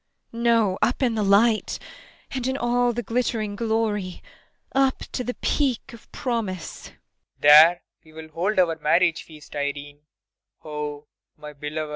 ] No, no up in the light, and in all the glittering glory! Up to the Peak of Promise! PROFESSOR RUBEK. There we will hold our marriage feast, Irene oh, my beloved! IRENE.